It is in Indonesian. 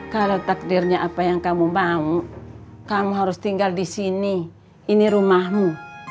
kalau takdirnya apa yang kamu mau kamu harus tinggal di sini ini rumahmu